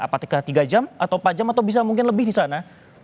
apakah tiga jam atau empat jam atau bisa mungkin lebih di sana